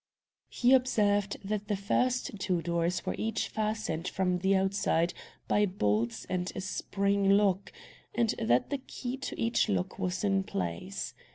He observed that the first two doors were each fastened from the outside by bolts and a spring lock, and that the key to each lock was in place.